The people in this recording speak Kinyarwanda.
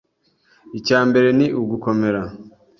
Icya mbere ni ugukomera